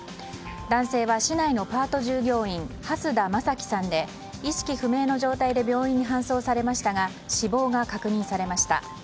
男性は市内のパート従業員蓮田政樹さんで意識不明の状態で病院に搬送されましたが死亡が確認されました。